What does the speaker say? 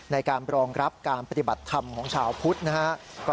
ในการรองรับการปฏิบัติธรรมของชาวพุทธนะครับ